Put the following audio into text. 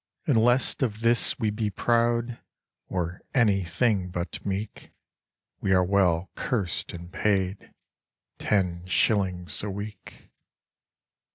"And lest of this we be proud Or anything but meek, We are well cursed and paid— Ten shillings a week!"